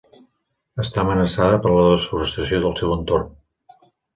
Està amenaçada per la desforestació del seu entorn.